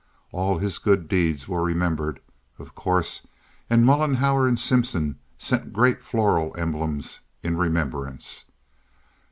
All his good deeds were remembered, of course, and Mollenhauer and Simpson sent great floral emblems in remembrance.